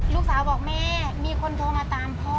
ลูกสาวบอกแม่มีคนโทรมาตามพ่อ